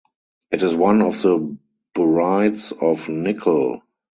It is one of the borides of nickel.